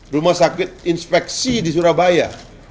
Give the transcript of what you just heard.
rumah sakit inspeksi di surabaya